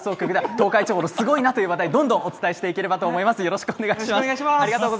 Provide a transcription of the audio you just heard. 東海地方のすごいなという話題どんどんお伝えしていければと思います。